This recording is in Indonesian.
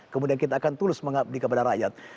kemudian kita akan tulus mengabdi kepada rakyat